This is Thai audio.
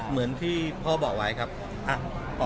เหมือนที่พ่อบอกไว้ครับ